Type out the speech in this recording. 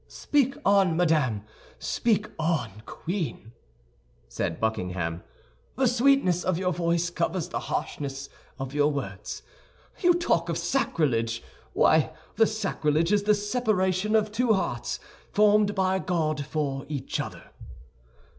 "Speak on, madame, speak on, Queen," said Buckingham; "the sweetness of your voice covers the harshness of your words. You talk of sacrilege! Why, the sacrilege is the separation of two hearts formed by God for each other."